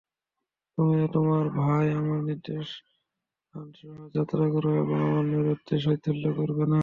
তুমি ও তোমার ভাই আমার নিদর্শনসহ যাত্রা কর এবং আমার স্মরণে শৈথিল্য করবে না।